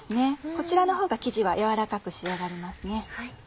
こちらのほうが生地はやわらかく仕上がりますね。